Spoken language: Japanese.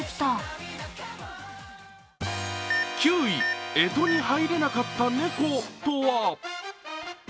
９位、干支に入れなかった猫とは？